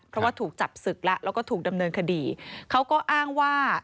เพราะว่าถูกจับศึกแล้วแล้วก็ถูกดำเนินคดีเขาก็อ้างว่า